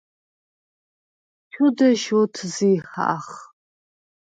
ჩუ დეშ ოთზიჰახ.